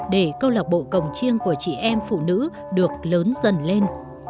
để câu lạc bộ cồng chiêng của chị em phụ nữ được lớn dần lên